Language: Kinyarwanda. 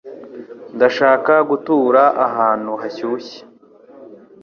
Ndashaka gutura ahantu hashyushye.